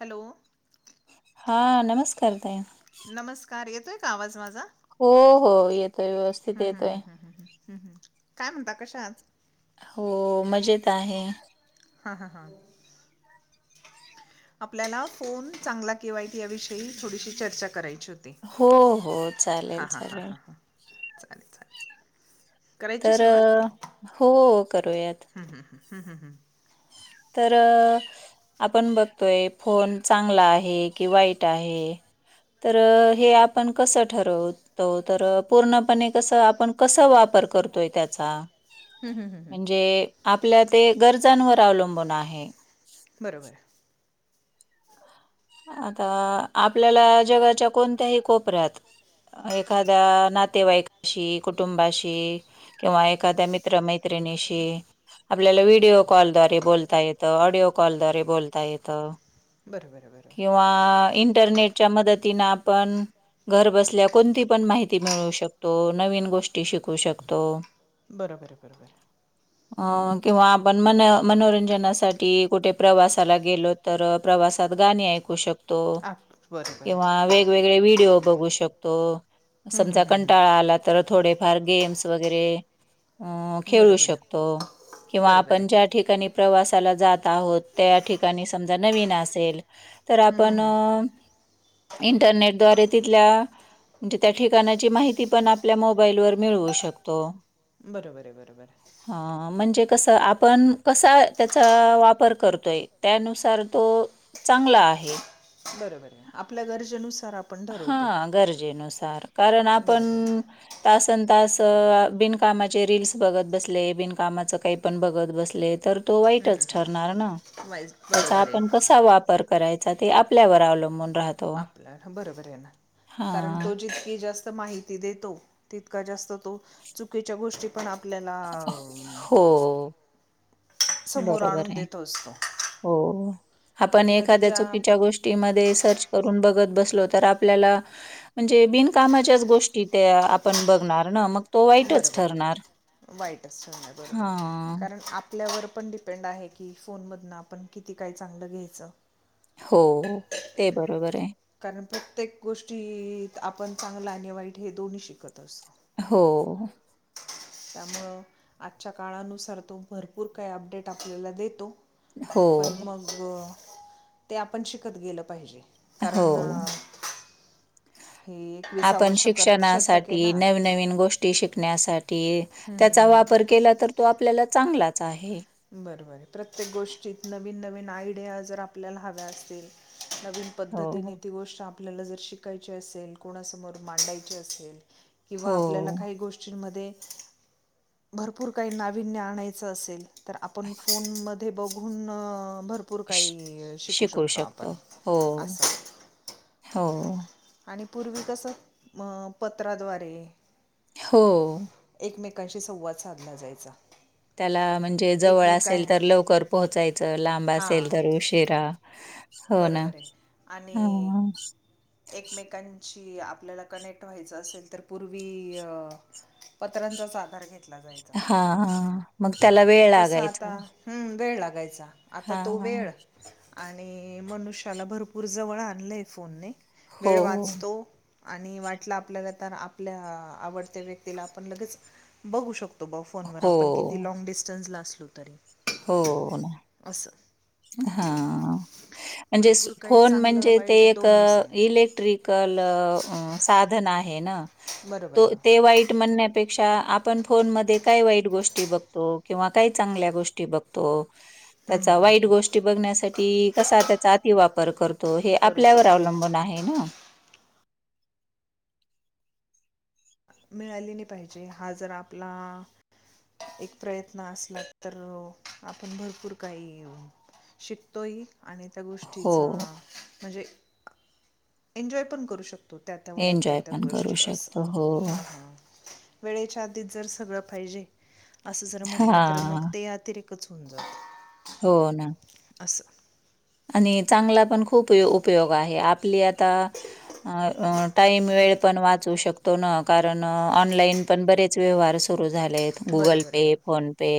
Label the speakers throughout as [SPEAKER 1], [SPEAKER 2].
[SPEAKER 1] Hello. [inaudible]
[SPEAKER 2] हा नमस्कार ताई
[SPEAKER 1] नमस्कार येतोय का आवाज माझा? हं,
[SPEAKER 2] हो हो येतोय. व्यवस्थित येतोय.
[SPEAKER 1] हम्म हम्म काय म्हणता? कशा आहात?
[SPEAKER 2] हो मजेत आहे.
[SPEAKER 1] हा हा हा. आपल्याला फोन चांगला कि वाईट याविषयी थोडीशी चर्चा कराय
[SPEAKER 2] हो हो. चालेल,
[SPEAKER 1] हां
[SPEAKER 2] चालेल.
[SPEAKER 1] हां हां चालेल, चालेल. करायची
[SPEAKER 2] तर
[SPEAKER 1] सुरुवात
[SPEAKER 2] अ हो करूयात.
[SPEAKER 1] ह ह हम्.
[SPEAKER 2] तर अ आपण बघतोय फोन चांगला आहे की वाईट आहे. तर हे आपण कस ठरवतो? तर पूर्णपणे कस आपण कसं वाप वापर करतोय त्याचा
[SPEAKER 1] हं, हं, हं, हं.
[SPEAKER 2] म्हणजे आपल्या ते गरजांवर अवलंबून आहे.
[SPEAKER 1] बरोबर हाय.
[SPEAKER 2] आता आपल्याला जगाच्या कोणत्याही कोपऱ्यात एखाद्या नातेवाईकाशी कुटुंबाशी किंवा एखाद्या मित्र-मैत्रि मैत्रिणीशी आपल्याला विडिओ कॉल द्वारे बोलता येत. ऑडिओ कॉल द्वारे बोलता येत.
[SPEAKER 1] बरोबर आहे,
[SPEAKER 2] किंवा इंटरनेटच्या मदतीनं आपण घर बसल्या कोणती पण माहिती मिळू शकतो. नवीन गोष्टी शिकू शकतो.
[SPEAKER 1] बरोबर आहे. बरोबर आहे.
[SPEAKER 2] अ किंवा आपण मन मनोरंजनासाठी. कुठे प्रवासाला गेलो तर. प्रवासात गाणी ऐकू शकतो.
[SPEAKER 1] आप बरोबर
[SPEAKER 2] किंवा
[SPEAKER 1] आहे
[SPEAKER 2] वेगवेगळे व्हिडीओ बघू शकतो.
[SPEAKER 1] हं, हं,
[SPEAKER 2] समजा
[SPEAKER 1] हं, हं.
[SPEAKER 2] कंटाळा आला तर थोडेफार गेम्स वगैरे. अ खेळू
[SPEAKER 1] बरोबर आहे
[SPEAKER 2] शकतो. किंवा
[SPEAKER 1] बरोबर
[SPEAKER 2] आपण ज्या
[SPEAKER 1] आहे
[SPEAKER 2] ठिकाणी प्रवास ला जात आहोत. त्या ठिकाणी समजा नवीन असेल. तर
[SPEAKER 1] हं, हं,
[SPEAKER 2] आपण
[SPEAKER 1] हं.
[SPEAKER 2] इंटरनेटद्वारे तिथल्या म्हणजे त्या ठिकाणाची माहिती पण आपल्या मोबाईलवर मिळवू शकतो.
[SPEAKER 1] बरोबर आहे. बरोबर आहे.
[SPEAKER 2] कस आपण. कसा त्याचा वापर करतोय. त्यानुसार तो. चांगला आहे.
[SPEAKER 1] बरोबर आहे. आपल्या गरजेनुसार आप
[SPEAKER 2] हा गरजेनुसार. कारण आपण
[SPEAKER 1] बरोबर आहे
[SPEAKER 2] तास संन-तासं बिनकामाचे रीलस बघत बसले. बिनकामाचं काही पण बघत बसले तर तो
[SPEAKER 1] हं, हं,
[SPEAKER 2] वाईटच
[SPEAKER 1] हं.
[SPEAKER 2] ठरणार ना.
[SPEAKER 1] वाईज
[SPEAKER 2] त्याचा
[SPEAKER 1] बरोबर आहे
[SPEAKER 2] आपण कसा वापर करायचा. ते आपल्यावर अवलंबून राहतो.
[SPEAKER 1] आपला बरोबर आहे. कारण
[SPEAKER 2] हां.
[SPEAKER 1] तो जितकी जास्त माहिती देतो. तितका जास्त चुकीच्या गोष्टी पण आपल्याला.
[SPEAKER 2] हो,
[SPEAKER 1] समोर
[SPEAKER 2] बरोबर
[SPEAKER 1] आणून
[SPEAKER 2] आहे.
[SPEAKER 1] देतो असतो.
[SPEAKER 2] हो आपण
[SPEAKER 1] कधी कधी
[SPEAKER 2] एखाद्या
[SPEAKER 1] ज्या आप
[SPEAKER 2] चुकीच्या गोष्टीमध्ये. सर्च करून बघत बस आपल्याला. म्हणजे बिनकामाच्याच गोष्टीत्या आपण बघणार ना मग. तो वाईटच
[SPEAKER 1] बरोबर.
[SPEAKER 2] ठरणार.
[SPEAKER 1] वाईटच असतो. बरोबर
[SPEAKER 2] हां.
[SPEAKER 1] कारण आपल्यावर. पण डिपेंड आहे की. फोनमधन आपण किती काय चांगलं घ्यायचं.
[SPEAKER 2] हो ते बरोबर आहे.
[SPEAKER 1] कारण प्रत्येक गोष्टी ही आपण चांगलं आणि वाईट हे दोन्ही शिकत असतो.
[SPEAKER 2] हो.
[SPEAKER 1] त्यामुळं आजच्या काळानुसार तो भरपूर काही अपडेट आपल्याला देतो.
[SPEAKER 2] हो,
[SPEAKER 1] पण मग. ते आपण शिकत गेलं पाहिजे. कारण.
[SPEAKER 2] हो.
[SPEAKER 1] हे एकविसावं
[SPEAKER 2] आपण
[SPEAKER 1] शकत शतक आहे
[SPEAKER 2] शिक्षणासाठी.
[SPEAKER 1] ना
[SPEAKER 2] नवनवीन गोष्टी शिकण्यासाठी. ते त्याचा वापर केला तर तो आपल्याला चांगलाच. आहे.
[SPEAKER 1] बरबर प्रत्येक गोष्टीत नवीन-नवीन आयडिया जर आपल्याला हव्या असतील. नवीन
[SPEAKER 2] हो,
[SPEAKER 1] पद्धतीने ती गोष्ट आपल्याला जर शिकायची असेल. कोणासमोर जर मांडायची असेल. किंवा आपल्याला
[SPEAKER 2] हो.
[SPEAKER 1] काही गोष्टींमध्ये भरपूर काही नावीन्य आणायच असेल. तर आपण फोन मध्ये बघून. भरपूर
[SPEAKER 2] श
[SPEAKER 1] काही शिकू शकतो. आपण असं.
[SPEAKER 2] हो.
[SPEAKER 1] आणि पूर्वी कसं पत्राद्वारे
[SPEAKER 2] हो.
[SPEAKER 1] एकमेकांशी संवाद साधला जायचा.
[SPEAKER 2] त्याला म्हणजे. जवळ
[SPEAKER 1] एकमेकां
[SPEAKER 2] असेल तर लवकर पोहोचायचं. लांब असेल
[SPEAKER 1] हां
[SPEAKER 2] तर उशिरा. हो ना.
[SPEAKER 1] बरोबर आहे.
[SPEAKER 2] हां,
[SPEAKER 1] आणि एकमेकांची. की आपल्याला कनेक्ट व्हायचं असेल तर पूर्वी अ पत्र्यांचाच आधार घे
[SPEAKER 2] हा हा, मग त्याला वेळ
[SPEAKER 1] तसा आता
[SPEAKER 2] लागायचा.
[SPEAKER 1] हम्म वेळ लागायचा आता तो
[SPEAKER 2] हां.
[SPEAKER 1] वेळ आण णि मनुष्याला भरपूर जवळ आणलंय फोनने,
[SPEAKER 2] हो,
[SPEAKER 1] वेळ वाचतो. आणि वाटलं आपल्याला तर आपल्या आवडत्या व्यक्तीला आपण लगेच बघू शक तो बा फोन वर
[SPEAKER 2] हो,
[SPEAKER 1] आपण किती लॉंग डिस्टन्सला असलो तरी.
[SPEAKER 2] हो ना,
[SPEAKER 1] असं
[SPEAKER 2] हा. म्हणजे स
[SPEAKER 1] भरपूर काही
[SPEAKER 2] फोन
[SPEAKER 1] चांगलं
[SPEAKER 2] म्हणजे ते
[SPEAKER 1] वाईट
[SPEAKER 2] एक अ
[SPEAKER 1] दोन्ही सांगत
[SPEAKER 2] इलेक्ट्रिकल अ साधन आ हे ना,
[SPEAKER 1] बरोबर
[SPEAKER 2] तो
[SPEAKER 1] आहे बा
[SPEAKER 2] ते
[SPEAKER 1] हम्म,
[SPEAKER 2] वाईट म्हणण्यापेक्षा आ आपण फोनमध्ये काय वाईट गोष्टी बघतो, किंवा काय चांगल्या गोष्टी बघतो
[SPEAKER 1] हम्म,
[SPEAKER 2] त्याचा
[SPEAKER 1] हम्म,
[SPEAKER 2] वाईट
[SPEAKER 1] हम्म.
[SPEAKER 2] गोष्टी बघण्यासाठी कसा त्याचा अतिवापर कर तो हे
[SPEAKER 1] करू
[SPEAKER 2] आपल्यावर
[SPEAKER 1] शकतो
[SPEAKER 2] अवलंबून आहे ना.
[SPEAKER 1] मिळाली नाही पाहिजे, हा जर आपला एक प्रयत्न असला तर आपण भरपूर काही शिकतो ही. आणि त्या
[SPEAKER 2] हो,
[SPEAKER 1] गोष्टीचा म्हणजे एन्जॉय पण करू शक तो त्या त्या वयात त्या
[SPEAKER 2] एन्जॉय
[SPEAKER 1] त्या
[SPEAKER 2] पण करू
[SPEAKER 1] गोष्टी
[SPEAKER 2] शकतो.
[SPEAKER 1] असं
[SPEAKER 2] हो.
[SPEAKER 1] हां हां वेळेच्या आधीत जर सगळ पाहिजे असं जर म्हटलं तर मग
[SPEAKER 2] हां.
[SPEAKER 1] ते अतिरिक कच हून जात
[SPEAKER 2] हो ना
[SPEAKER 1] अस
[SPEAKER 2] आणि चांगला पण खूपयो उपयोग आहे आपली आता टाईम वेळ पण वाचवू शकतो न कारण ऑनलाईन पण बरेच व्यवाहार सुरु लेत गुगल
[SPEAKER 1] बरोबर आहे
[SPEAKER 2] पे
[SPEAKER 1] बरोबर
[SPEAKER 2] फोन पे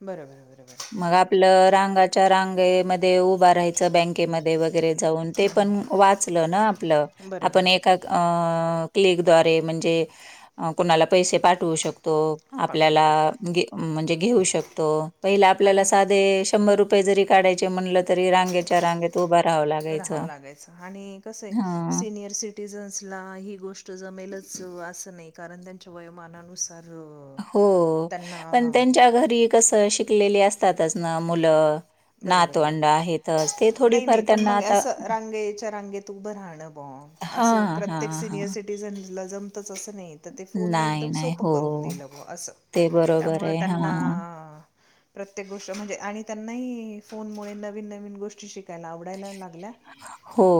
[SPEAKER 1] बरं बरं बरं बरं
[SPEAKER 2] मग आपलं रांगाच्या रांगेमध्ये उभं राहायचं बँकेमध्ये वगै वगैरे जाऊन ते
[SPEAKER 1] हं,
[SPEAKER 2] पण
[SPEAKER 1] हं,
[SPEAKER 2] वाचलं ना आपलं
[SPEAKER 1] हं. बरं
[SPEAKER 2] आपण
[SPEAKER 1] बरं
[SPEAKER 2] एका
[SPEAKER 1] बरं
[SPEAKER 2] अ क्लिक द्वारे म्हणजे कोणाला पैसे पाठवू शकत तो
[SPEAKER 1] पा बरं
[SPEAKER 2] आपल्याला
[SPEAKER 1] बरं
[SPEAKER 2] म्हणजे घेऊ शकतो पहिल आपल्याला
[SPEAKER 1] आणि
[SPEAKER 2] साधे शंभर रुप पय जरी काढायचे म्हणलं तरी रांग्याच्या रांगेत उभं राहां लाग
[SPEAKER 1] राहावं लागायचं आणि कसं आहे
[SPEAKER 2] हां.
[SPEAKER 1] सिनियर सिटिझन्सला ही गोष्ट जमेलच अस नाही कारण त्यांच्या वयोमानानुसार अ,
[SPEAKER 2] हो
[SPEAKER 1] त्यांना
[SPEAKER 2] पण त्यांच्या घरी कस शिकलेले असतातच ना मुलं
[SPEAKER 1] बर बरं बरं
[SPEAKER 2] नातवंड आहेतच. ते
[SPEAKER 1] नाही
[SPEAKER 2] थोडीफार
[SPEAKER 1] नाही पण
[SPEAKER 2] त्यांना
[SPEAKER 1] मग
[SPEAKER 2] आता
[SPEAKER 1] अस रांगेच्या रांगेत उभं राहणं बॉ असे
[SPEAKER 2] हां,
[SPEAKER 1] प्रत्येक
[SPEAKER 2] हां, हां.
[SPEAKER 1] सिनियर सिटीझनल तस नाही तर ते फोनने
[SPEAKER 2] नाही,
[SPEAKER 1] एकदम
[SPEAKER 2] नाही.
[SPEAKER 1] सोपं
[SPEAKER 2] हो.
[SPEAKER 1] करून दिलं म असं
[SPEAKER 2] ते बरोबर
[SPEAKER 1] त्यामुळ
[SPEAKER 2] आहे.
[SPEAKER 1] त्यांना
[SPEAKER 2] हां.
[SPEAKER 1] प्रत्येक गोष्ट म्हणजे आणि त्यांनाही फोनमुळे नवीन नवीन गोष्टी शिकायला आवडायला लाग
[SPEAKER 2] हो.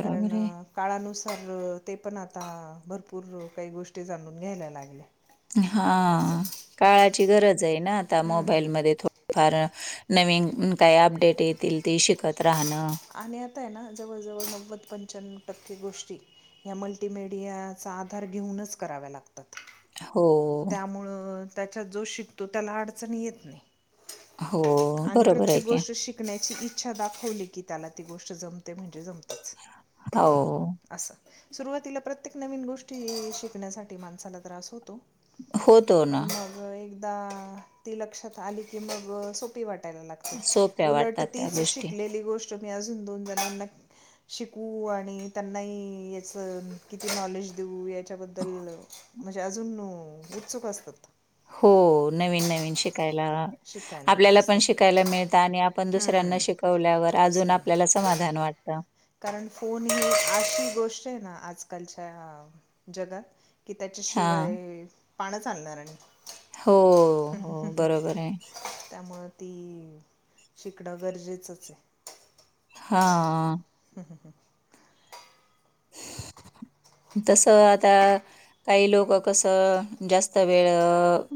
[SPEAKER 1] कारण
[SPEAKER 2] आहे.
[SPEAKER 1] काळानुसा तर ते पण आता भरपूर काही गोष्टी जाणून घ्यायला लागल्या.
[SPEAKER 2] हा
[SPEAKER 1] असं
[SPEAKER 2] काळाची गरज आहे ना आता
[SPEAKER 1] हम्म.
[SPEAKER 2] मोबाईलमध्ये थोड फार नवीन काही अपडेट येतील. ते शिकत राहणं.
[SPEAKER 1] आणि आता आहे ना जवळ जवळ नव्वद पंच्यानवं टक्के गोष्टी ती या मल्टीमडियाचा आधार घेऊनच कराव्या लाग तात
[SPEAKER 2] हो,
[SPEAKER 1] त्यामुळं त्याच्यात जो शिकतो त्याला अडचणी येत नाही.
[SPEAKER 2] हो.
[SPEAKER 1] आणि
[SPEAKER 2] बरोबर आहे
[SPEAKER 1] प्रत्येक
[SPEAKER 2] की.
[SPEAKER 1] गोष्ट शिकण्याची इच्छा दाखवली की त्याला ती गोष्ट जमते म्हणजे जमते म्हणजे जमते.
[SPEAKER 2] हो.
[SPEAKER 1] सुरुवातीला प्रत्येक नवीन गोष्टी शिकण्यासाठी माणसाला त्रास होतो.
[SPEAKER 2] होतो ना
[SPEAKER 1] ता ती लक्षात आली की मग सोपी वाटते. वाटायला लागते
[SPEAKER 2] सोप्या
[SPEAKER 1] उलट
[SPEAKER 2] वाटतात त्या
[SPEAKER 1] तिचं
[SPEAKER 2] गोष्टी.
[SPEAKER 1] शिकलेली गोष्ट तुम्ही अजून दोन जणांना शिकवू आणि त्यांनाहि याच किती नॉलेज देऊ याच्याबद्दल म्हणजे अजून उत्सुक असतात.
[SPEAKER 2] हो नवीन नवीन शिकाय ला
[SPEAKER 1] शिकायला
[SPEAKER 2] आपल्याला
[SPEAKER 1] तेच
[SPEAKER 2] पण
[SPEAKER 1] तर
[SPEAKER 2] शिकायला मिळत आणि आपण दुसऱ्यांना शिकवल्यावर
[SPEAKER 1] हम्म
[SPEAKER 2] अजून आपल्याला
[SPEAKER 1] दुसऱ्यांना
[SPEAKER 2] समा धान वाट
[SPEAKER 1] कारण फोन ही अशी गोष्ट आहे ना आजकालच्या जगात कि
[SPEAKER 2] हां.
[SPEAKER 1] त्याच्याशिवाय पानचं हालणार नाही.
[SPEAKER 2] हो हो बरोबर आहे.
[SPEAKER 1] त्यामुळं ती शिकणं गरजेचंच आहे.
[SPEAKER 2] हा.
[SPEAKER 1] [inaudible]
[SPEAKER 2] तसं आता काही लोक कसं जास्त वेळ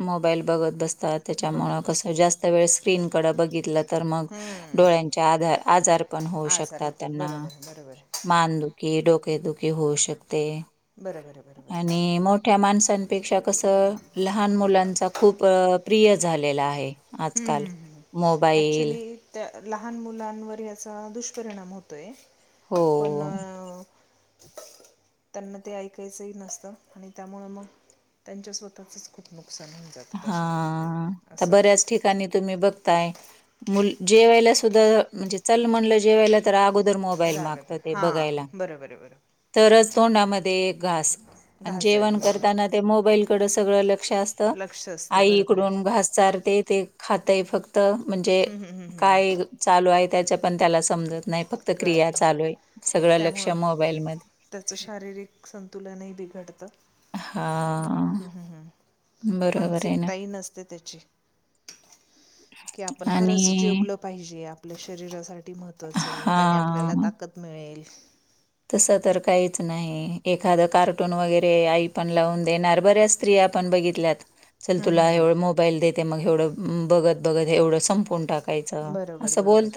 [SPEAKER 2] मोबाईल बघत बस तात
[SPEAKER 1] बघत
[SPEAKER 2] त्याच्यामुळे
[SPEAKER 1] बसतात
[SPEAKER 2] कसं जास्त वेळ स्क्रीनकडे बघितलं तर मग
[SPEAKER 1] हम्म,
[SPEAKER 2] डोळ्यांच्या आधा आजा र पण होऊ
[SPEAKER 1] आजार
[SPEAKER 2] शकतात
[SPEAKER 1] होतात
[SPEAKER 2] त्यांना
[SPEAKER 1] बरोबर आहे बरोबर आहे
[SPEAKER 2] मानदुखी, डोकेदुखी होऊ शक ते
[SPEAKER 1] बरोबर आहे बरोबर आहे
[SPEAKER 2] आणि मोठ्या माणसांपेक्षा कस लहान मुलांचा खूप प्रिय झालेला आहे
[SPEAKER 1] हम्म,
[SPEAKER 2] आजकाल
[SPEAKER 1] हम्म, हम्म.
[SPEAKER 2] मोबाईल
[SPEAKER 1] ॲक्च्युली त्या लहान मुलांवर याचा दुष्परिणाम होतोयं
[SPEAKER 2] हो.
[SPEAKER 1] पण [unintelligible] त्यांना ते ऐकायचंही नसतं आणि त्यामुळे मग त्यांच्या स्वतःच खूप नुकसान होऊन जातं
[SPEAKER 2] हा
[SPEAKER 1] त्याच्यात
[SPEAKER 2] तर
[SPEAKER 1] असं
[SPEAKER 2] बऱ्याच ठिकाणी तुम्ही बघतायं मू जेवायला सुद्धा म्हणजे चल म्हणाल जेवायला तरं अगोदर र मोबाईल
[SPEAKER 1] रागत
[SPEAKER 2] मागतं ते बघायला
[SPEAKER 1] हां बरोबर आहे बरोबर
[SPEAKER 2] तरच तोंडामध्ये घास आणि
[SPEAKER 1] घास जाईल
[SPEAKER 2] जेवण
[SPEAKER 1] बरोबर
[SPEAKER 2] करताना ते मोबाईलकड सगळं लक्ष असतं.
[SPEAKER 1] लक्ष असतं
[SPEAKER 2] आई
[SPEAKER 1] बरोबर
[SPEAKER 2] इकडून
[SPEAKER 1] आहे
[SPEAKER 2] घास चारते ते खातयं फक्तं म्हणजे
[SPEAKER 1] हम्म, हम्म, हम्म, हम्म.
[SPEAKER 2] काय चालू आहे त्याच्या पण त्याला समजत नाही फक्त क्रिया
[SPEAKER 1] कळत नाही
[SPEAKER 2] चालू आहे सगळं लक्ष मोबाईलमध्ये
[SPEAKER 1] त्याच शारीरिक संतुलनही बिघ
[SPEAKER 2] हा
[SPEAKER 1] हम्म हम्म हम्म
[SPEAKER 2] बरोबर आहे ना
[SPEAKER 1] मानसिकताही नसते त्याची की आपण खरंच
[SPEAKER 2] आणि
[SPEAKER 1] जेवलं पाहिजे आपल्या शरीरासाठी महत्त्वाचं आहे त्याने आपल्याला
[SPEAKER 2] हा
[SPEAKER 1] ताकद मिळेल.
[SPEAKER 2] तसं तर काहीच नाही एखादं कार्टून वगैरे आई पण लावून देणार बऱ्याच स्त्रिया आपण बघितल्यात चल
[SPEAKER 1] हं, हं,
[SPEAKER 2] तुला
[SPEAKER 1] हं.
[SPEAKER 2] एवढं मोबाईल देते मग एवढं बघत बघत एवढं संपून टाक.
[SPEAKER 1] बरोबर बरोबर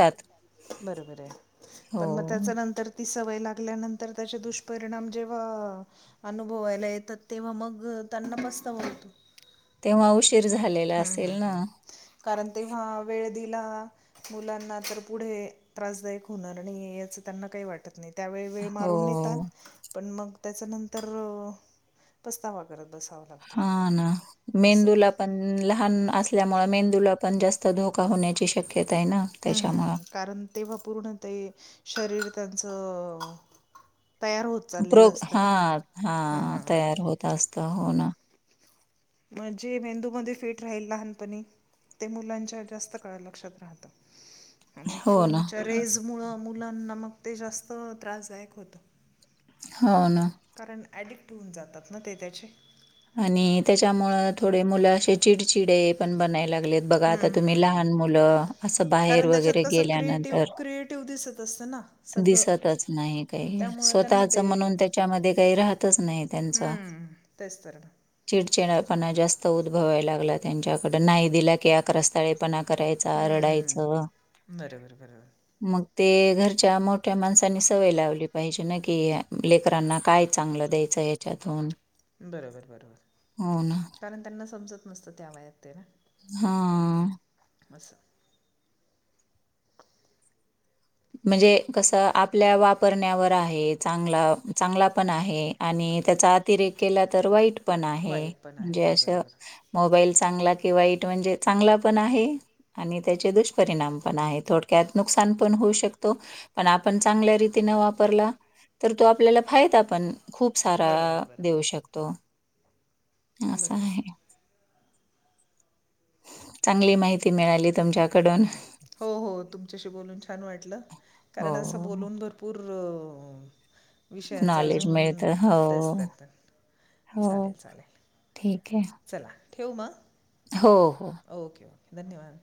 [SPEAKER 1] बरोबर आहे पण मग त्याच्या
[SPEAKER 2] हो.
[SPEAKER 1] नंतर ती सवय लाग ल्या नंतर दुष्पिणाम जेव्हा अनुभवला येतात तेव्हा मग त्यांना मस्त [inaudible]
[SPEAKER 2] तेव्हा उशी
[SPEAKER 1] हम्म हम्म हम्म कारण तेव्हा वेळ दिला मुलांना तर पुढे त्रासदायक होणार आणि याच त्यांना काही वाटत त्यावेळी वेळ मारून नेतात
[SPEAKER 2] हो.
[SPEAKER 1] पण मग त्याच्या नंतर पस्तावा करत बसावा लागतो
[SPEAKER 2] हा ना
[SPEAKER 1] असं
[SPEAKER 2] मेंदूला पण ला लहान असल्यामुळे मेंदूला पण जास्त धोका होण्याची शक्यता आहे ना
[SPEAKER 1] हम्म
[SPEAKER 2] त्याच्यामुळं.
[SPEAKER 1] हम्म कारण तेव्हा पूर्ण ते शरीर त्याच.
[SPEAKER 2] प्रोग हा हा
[SPEAKER 1] हां हां
[SPEAKER 2] तयार होत असत हो ना.
[SPEAKER 1] म्हणजे मेंदू मध्ये फिट राहील लहानपणी ते मुलांच्या जास्त काळ लक्षात राहतं. आणि
[SPEAKER 2] हो ना.
[SPEAKER 1] फोनच्या रेज मुळ मुलांना मगं ते जास्त त्रासदायक होत.
[SPEAKER 2] हो ना.
[SPEAKER 1] कारण ऍडिक्ट होऊन जातात ना ते त्याचे
[SPEAKER 2] आणि त्याच्यामुळं थोडे मुलं असे चिडचिडे पण बनाय लाग लेत बघा
[SPEAKER 1] हम्म
[SPEAKER 2] आता तुम्ही
[SPEAKER 1] हम्म हम्म.
[SPEAKER 2] लहान मुलं असं बाहेर
[SPEAKER 1] कारण त्याच्यात
[SPEAKER 2] वगैरे
[SPEAKER 1] कसं क्रिएटिव्ह
[SPEAKER 2] गेल्यानंतर
[SPEAKER 1] क्रिएटिव्ह दिसत असतं ना सगळं
[SPEAKER 2] दिसतच नाही काही
[SPEAKER 1] त्यामुळं त्यांना
[SPEAKER 2] स्वतःच
[SPEAKER 1] ते
[SPEAKER 2] म्हणून त्याच्यामध्ये काही राहतच नाही त्यांच
[SPEAKER 1] ह तेच तर.
[SPEAKER 2] चिडचिडपणा जास्त उद्भवायला लागला त्यांच्याकड नाही दिला की अकरास्ताळी पणा करायचा रडायच
[SPEAKER 1] हम्म बरोबर बरोबर
[SPEAKER 2] मग ते घरच्या मोठ्या माणसाांनी सवय लावली पाहिजे न की लेकरांना काय चांगलं द्यायचं. येच्यातून
[SPEAKER 1] बरोबर बरोबर कारण त्यांना समजत नसतं त्या वयात ते ना.
[SPEAKER 2] हा.
[SPEAKER 1] अस.
[SPEAKER 2] म्हणजे कस आपल्या वापरण्यावर आहे चांगला चांगला पण आहे आणि त्या अतिरेक तर वाईट पण आहे
[SPEAKER 1] वाईट पण आहे
[SPEAKER 2] म्हणजे अस
[SPEAKER 1] बरोबर बरं
[SPEAKER 2] मोबाईल चांग की वाईट म्हणजे चांगला पण आहे आणि त्याचे दुष्परिणाम पण आहे थोडक्यात नुकसान पण होऊ शक तो पण आपण चांगल्या रीतीने वापरला तर तो आपल्याला फायदा पण खूप सारा
[SPEAKER 1] बरोबर बरं
[SPEAKER 2] देऊ शकतो. असं
[SPEAKER 1] बरोबर.
[SPEAKER 2] आहे. चांगली माहिती मिळाली तुमच्याकडून.
[SPEAKER 1] हो हो, तुमच्याशी बोलून छान वाटलं, कारण असं
[SPEAKER 2] हो.
[SPEAKER 1] बोलून भरपूर अ विषयांचा
[SPEAKER 2] नॉलेज
[SPEAKER 1] अजून
[SPEAKER 2] मिळतं.
[SPEAKER 1] तेच
[SPEAKER 2] हो,
[SPEAKER 1] त
[SPEAKER 2] हो, ठीक आहे.
[SPEAKER 1] ठेव म?
[SPEAKER 2] हो हो.
[SPEAKER 1] धन्यवाद!